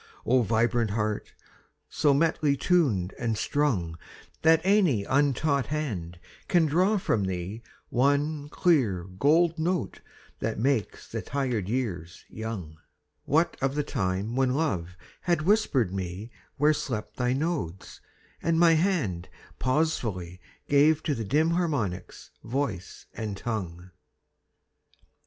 O vibrant heart! so metely tuned and strung That any untaught hand can draw from thee One clear gold note that makes the tired years young What of the time when Love had whispered me Where slept thy nodes, and my hand pausefully Gave to the dim harmonics voice and tongue?